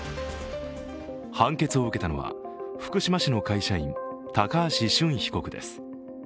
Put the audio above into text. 判決を受けたのは福島市の会社員、高橋俊被告です。